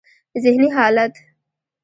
ذهني حالت: